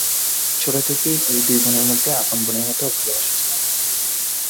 ছোট থেকেই এই দুই বোনের মধ্যে আপন বোনের মতো ভালোবাসা ছিল।